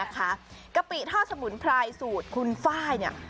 กะปิทอดสมุนไพรสูตรคุณไฟล์เนี่ย